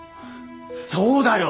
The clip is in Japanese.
そうだよ。